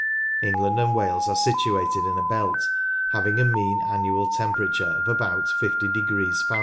England and Wales are situated in a belt having a mean annual temperature of about 50 Fahr.